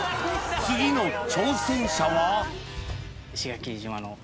次の挑戦者は？